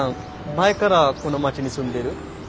前からこの町に住んでる？